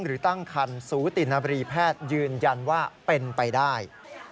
หรือตั้งคันสูตินบรีแพทย์ยืนยันว่าเป็นไปได้